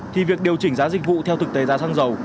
thì việc điều chỉnh giá dịch vụ theo thực tế giá xăng dầu